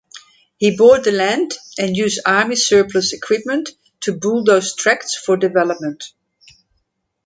He bought the land and used army surplus equipment to bulldoze tracts for development.